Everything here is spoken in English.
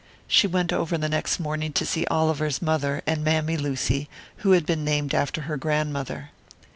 She went over the next morning to see Oliver's mother, and Mammy Lucy, who had been named after her grandmother.